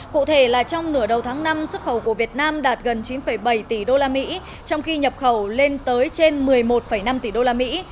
cụ thể là trong nửa đầu tháng năm xuất khẩu của việt nam đạt gần chín bảy tỷ đô la mỹ trong khi nhập khẩu lên tới trên một mươi một năm tỷ đô la mỹ